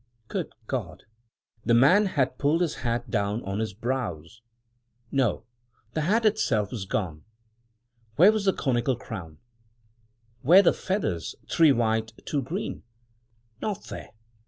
Good God! the man had pulled his hat down on his brows! No! the hat itself was gone! Where was the conical crown? Where the feathers — three white, two green? Not there!